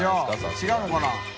違うのかな？